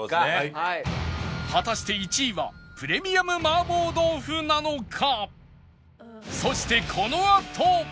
果たして１位はプレミアム麻婆豆腐なのか？